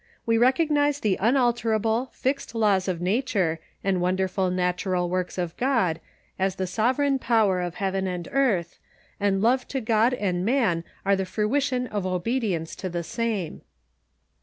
AVe recognize the unalterable, fixed laws of nature and wonderful natural works of God as the sovereign power of heaven and earth, and love to God and man are the fruition of obedience to the same.